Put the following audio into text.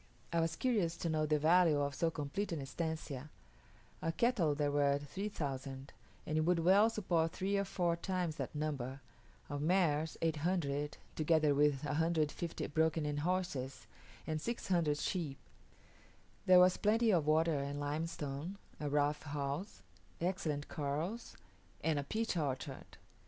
I was curious to know the value of so complete an estancia. Of cattle there were 3000, and it would well support three or four times that number; of mares 800, together with 150 broken in horses, and 600 sheep. There was plenty of water and limestone, a rough house, excellent corrals, and a peach orchard.